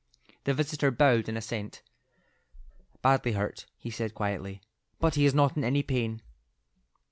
The visitor bowed in assent. "Badly hurt," he said, quietly, "but he is not in any pain."